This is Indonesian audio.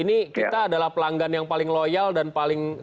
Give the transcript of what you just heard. ini kita adalah pelanggan yang paling loyal dan paling rakyat itu ya